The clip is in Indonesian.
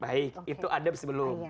baik itu adab sebelum